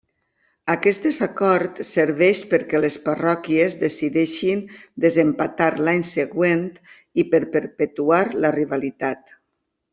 Aquest desacord serveix perquè les parròquies decideixin desempatar l'any següent i per perpetuar la rivalitat.